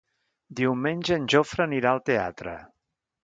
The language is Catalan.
Diumenge en Jofre anirà al teatre.